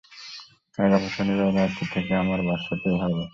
আগামী শনিবার রাত্রি থেকে আমার বাসাতেই হবে।